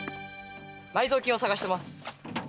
埋蔵金を探しています。